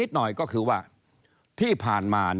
ก็จะมาจับทำเป็นพรบงบประมาณ